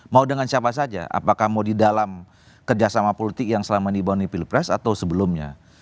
mau dengan siapa saja apakah mau di dalam kerjasama politik yang selama ini dibangun di pilpres atau sebelumnya